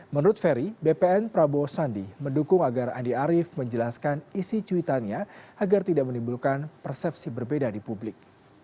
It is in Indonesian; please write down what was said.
menurut ferry bpn prabowo sandi mendukung agar andi arief menjelaskan isi cuitannya agar tidak menimbulkan persepsi berbeda di publik